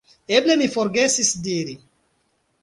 Eble mi forgesis diri.